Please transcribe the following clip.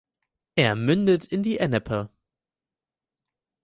Er mündet in die Ennepe.